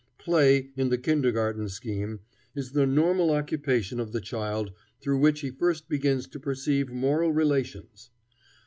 Play, in the kindergarten scheme, is the "normal occupation of the child through which he first begins to perceive moral relations."